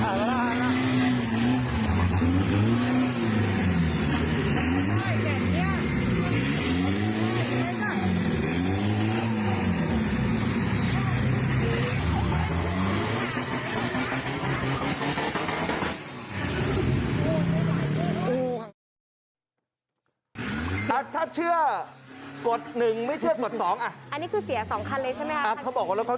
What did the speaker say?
โอ้ยรถถั่วใจเขา